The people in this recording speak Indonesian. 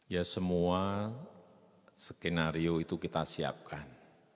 ya semua skenario itu kita siapkan